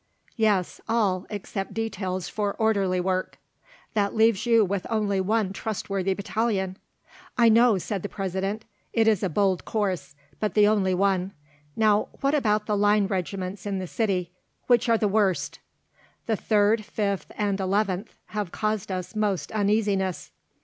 "Yes, all, except details for orderly work." "That leaves you only one trustworthy battalion." "I know," said the President. "It is a bold course, but the only one. Now what about the Line regiments in the city? Which are the worst?" "The third, fifth, and eleventh have caused us most uneasiness."